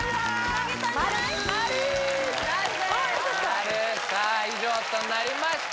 丸！さあ以上となりました